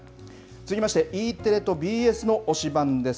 続きまして、Ｅテレと推しバン！です。